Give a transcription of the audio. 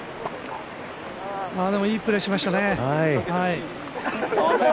いいプレーしましたね。